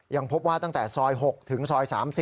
ยังพบว่าตั้งแต่ซอย๖ถึงซอย๓๐